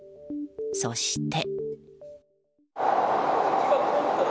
そして。